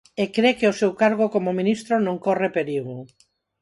E cre que o seu cargo como ministro non corre perigo.